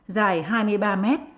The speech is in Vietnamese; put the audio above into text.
dài hai mươi ba mét